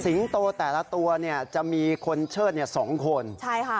โตแต่ละตัวเนี่ยจะมีคนเชิดเนี่ยสองคนใช่ค่ะ